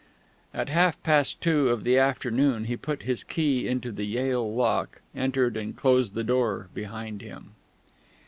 At half past two of the afternoon he put his key into the Yale lock, entered, and closed the door behind him....